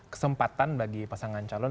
kesempatan bagi pasangan calon